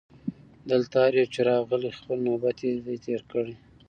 دلته هر یو چي راغلی خپل نوبت یې دی تېر کړی